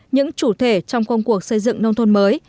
những chủ thể trong công cuộc xây dựng nông thôn mới